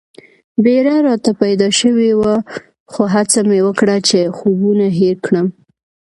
بېره راته پیدا شوې وه خو هڅه مې وکړه چې خوبونه هېر کړم.